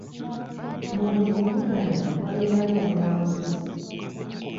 Mu buli kuvuganya wabeerawo omuwanguzi.